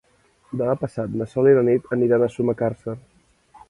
Demà passat na Sol i na Nit aniran a Sumacàrcer.